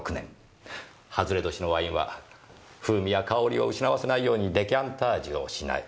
外れ年のワインは風味や香りを失わせないようにデカンタージュをしない。